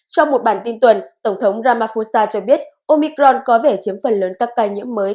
trong một bản tin tuần tổng thống ramaphusa cho biết omicron có vẻ chiếm phần lớn các ca nhiễm mới